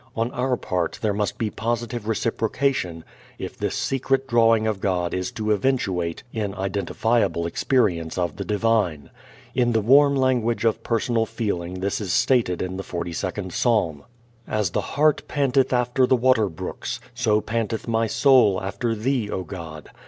On our part there must be positive reciprocation if this secret drawing of God is to eventuate in identifiable experience of the Divine. In the warm language of personal feeling this is stated in the Forty second Psalm: "As the hart panteth after the water brooks, so panteth my soul after thee, O God.